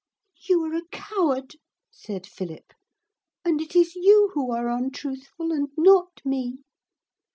'You are a coward,' said Philip, 'and it is you who are untruthful and not me.'